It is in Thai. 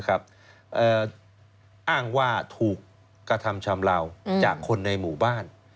อ้างว่าถูกกระทำชำเลาจากคนในหมู่บ้าน